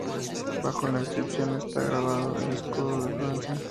Bajo la inscripción está grabado el escudo de Francia.